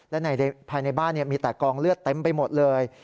และภายในบ้านมีแต่กองเลือดเต็มไปหมดเลย